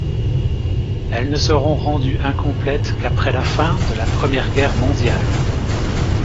Elles ne seront rendues incomplètes qu'après la fin de la Première Guerre mondiale.